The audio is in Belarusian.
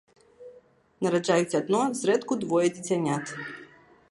Нараджаюць адно, зрэдку двое дзіцянят.